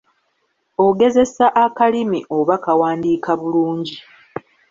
Ogezesa akalimi oba kawandiika bulungi.